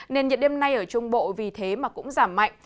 nền nhiệt đêm nay ở trung bộ vì thế mà cũng giảm mạnh